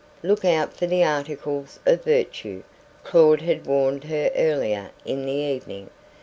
"Look out for the articles of virtue," Claud had warned her earlier in the evening.